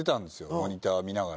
モニター見ながら。